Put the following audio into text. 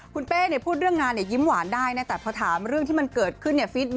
คุณเป้พูดเรื่องงานยิ้มหวานได้แต่พอถามเรื่องที่เกิดขึ้น